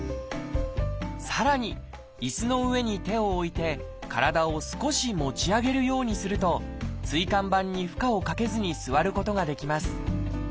さらに椅子の上に手を置いて体を少し持ち上げるようにすると椎間板に負荷をかけずに座ることができます。